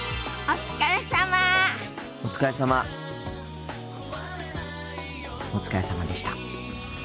お疲れさまでした。